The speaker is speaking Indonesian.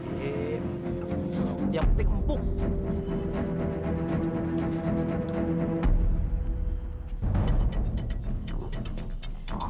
iye siap siap empuk